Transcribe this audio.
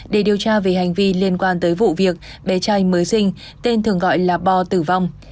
để điều tra về hành vi liên quan tới vụ việc bé trai mới sinh tên thường gọi là bo tử vong